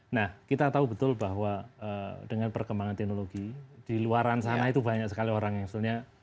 nah kita tahu betul bahwa dengan perkembangan teknologi di luaran sana itu banyak sekali orang yang sebenarnya